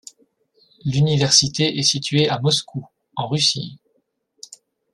L'université est située à Moscou, en Russie.